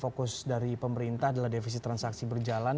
fokus dari pemerintah adalah defisit transaksi berjalan